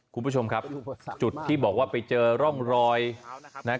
คุณผู้ชมครับจุดที่บอกว่าไปเจอร่องรอย